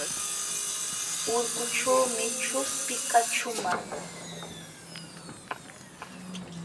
Urkuućhuumi chuspi kaćhuuman.